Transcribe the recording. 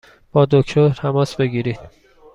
با دکتر تماس بگیرید!